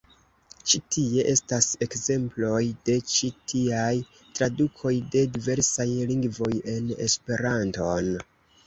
Ĉi tie estas ekzemploj de ĉi tiaj tradukoj de diversaj lingvoj en Esperanton.